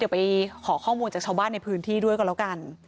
เดี๋ยวไปขอข้อมูลจากชาวบ้านในพื้นที่ด้วยกันแล้วกัน